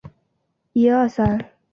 奥达斯泰韦尔。